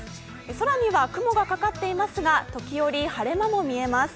空には雲がかかっていますが時折、晴れ間も見えます。